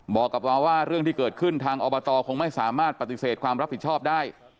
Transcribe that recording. บอกกับเราว่าเรื่องที่เกิดขึ้นทางอบตคงไม่สามารถปฏิเสธความรับผิดชอบได้